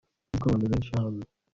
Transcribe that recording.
sinzi ko abantu benshi hano